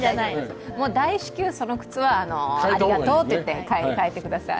大至急その靴はありがとうってかえてください。